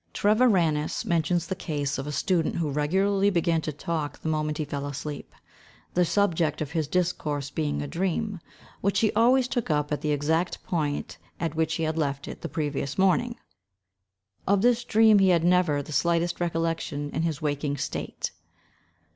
Treviranus mentions the case of a student who regularly began to talk the moment he fell asleep, the subject of his discourse being a dream, which he always took up at the exact point at which he had left it the previous morning. Of this dream he had never the slightest recollection in his waking state.